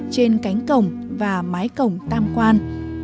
trên cánh cổng và mái cổng tam quan